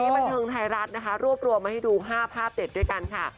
บันเทิงไทยรัฐนะคะรวบรวมมาให้ดู๕ภาพเด็ดด้วยกันค่ะ